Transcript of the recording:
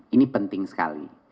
ini penting sekali